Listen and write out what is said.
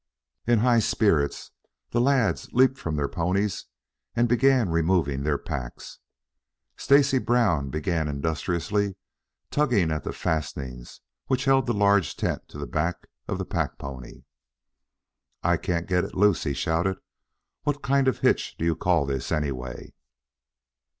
In high spirits, the lads leaped from their ponies and began removing their packs. Stacy Brown began industriously tugging at the fastenings which held the large tent to the back of the pack pony. "I can't get it loose," he shouted. "What kind of hitch do you call this, anyway?"